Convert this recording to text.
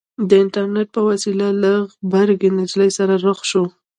د اينټرنېټ په وسيله له غبرګې نجلۍ سره رخ شو.